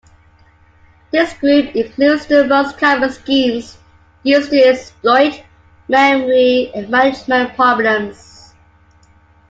This group includes the most common schemes used to exploit memory management problems.